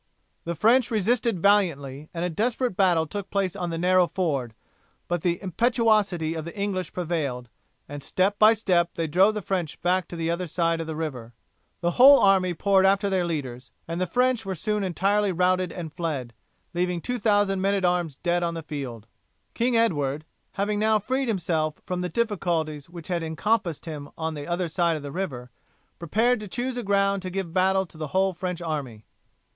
The French resisted valiantly and a desperate battle took place on the narrow ford, but the impetuosity of the English prevailed, and step by step they drove the French back to the other side of the river. The whole army poured after their leaders, and the French were soon entirely routed and fled, leaving two thousand men at arms dead on the field. King Edward, having now freed himself from the difficulties which had encompassed him on the other side of the river, prepared to choose a ground to give battle to the whole French army.